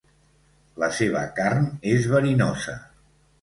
La seva carn és verinosa.